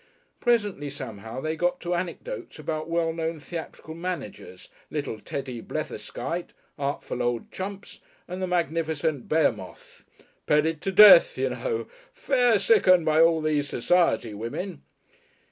Presently somehow they had got to anecdotes about well known theatrical managers, little Teddy Bletherskite, artful old Chumps, and the magnificent Behemoth, "petted to death, you know, fair sickened, by all these society women."